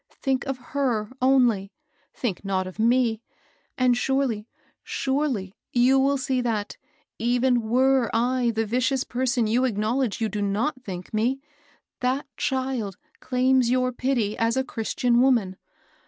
Think of her only ; think not of me; and surely, surely you will see that, even were I the vicious person you acknowledge you do not think me, that child claims your pity as THE AID SOCIETY. 385 a Christian woman